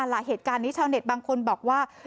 เหตุการณ์นี้ชาวเน็ตบางคนบอกว่า